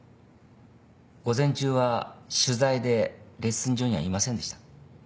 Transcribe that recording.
午前中は取材でレッスン場にはいませんでした。